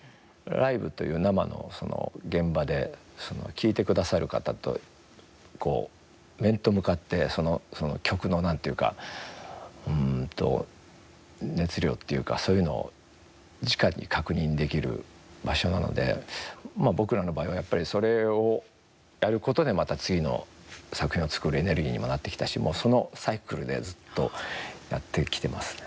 ライブという生の現場で聞いてくださる方と面と向かってその曲のなんていうか熱量というか、そういうのをじかに確認できる場所なので僕らの場合は、やっぱりそれをやることでまた次の作品を作るエネルギーにもなってきたしそのサイクルでずっとやってきてますね。